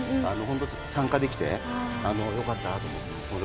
参加できてよかったなと思って。